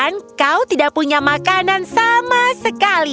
bayangkan kau tidak punya makanan bahkan sama sekali